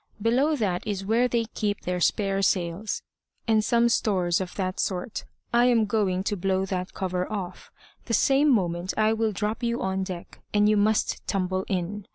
"Below that is where they keep their spare sails, and some stores of that sort. I am going to blow that cover off. The same moment I will drop you on deck, and you must tumble in.